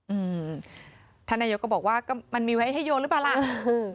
อืมท่านนายกก็บอกว่าก็มันมีไว้ให้โยนหรือเปล่าล่ะ